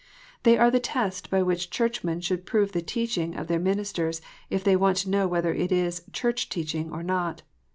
They are the test by which Churchmen should prove the teaching of their ministers, if they want to know whether it is " Church teach ing" or not.